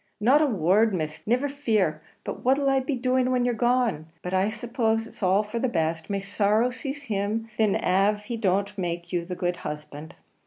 "Not a word, Miss; niver fear: but what'll I be doing when you're gone? But I suppose it's all for the best; may sorrow seize him thin av he don't make you the good husband."